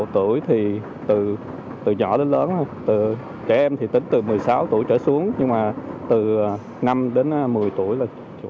từ nhỏ đến lớn trẻ em thì tính từ một mươi sáu tuổi trở xuống nhưng mà từ năm đến một mươi tuổi là chủ